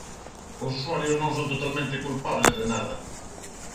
Os usuarios non son totalmente culpables de nada.